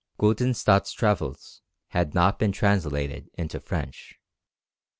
Guldenstædt's travels have not been translated into French.